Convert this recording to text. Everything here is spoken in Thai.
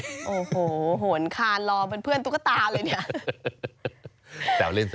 โอ้โหโหนคานรอเป็นเพื่อนตุ๊กตาเลยเนี่ย